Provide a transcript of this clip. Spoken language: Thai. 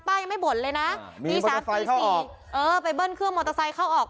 ป้ายังไม่บ่นเลยน่ะมีมอเตอร์ไซค์เข้าออกเออไปเบิ้ลเครื่องมอเตอร์ไซค์เข้าออก